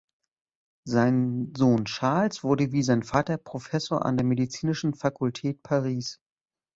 Sein Sohn Charles wurde wie sein Vater Professor an der Medizinischen Fakultät Paris.